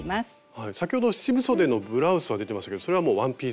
先ほど七分そでのブラウスは出てましたけどそれはワンピース。